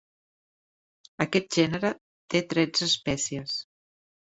Aquest gènere té tretze espècies.